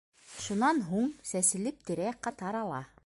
Шунан һуң, сәселеп, тирә-яҡҡа тарала.